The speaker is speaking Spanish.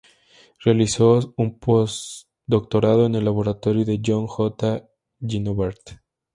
Realizó un postdoctorado en el laboratorio de Joan J. Guinovart.